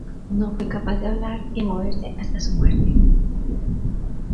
No fue capaz de hablar y moverse hasta su muerte.